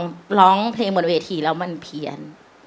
ขึ้นไปร้องเพลงบนเวทีแล้วมันเพียน